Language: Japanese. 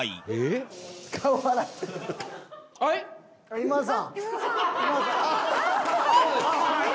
今田さん